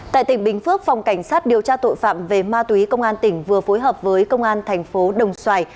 tại tỉnh bình phước phòng cảnh sát điều tra tội phạm về ma túy công an tỉnh vừa phối hợp với công an thành phố đồng xoài